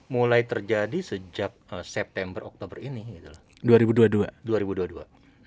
mulai terjadi sejak september oktober ini gitu loh